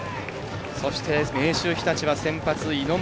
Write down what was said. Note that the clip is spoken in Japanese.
そして、明秀日立は先発、猪俣。